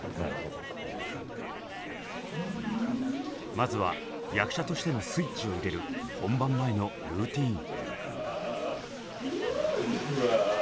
まずは役者としてのスイッチを入れる本番前のルーティーン。